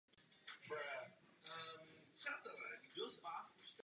Další stříbrnou medaili vybojovala na prvním ročníku nového atletického šampionátu.